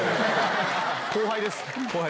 後輩です。